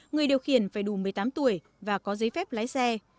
người điều khiển phải đủ một mươi tám tuổi và có giấy phép lái xe